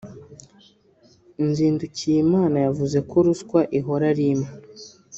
Nzindukiyimana yavuze ko ruswa ihora ari imwe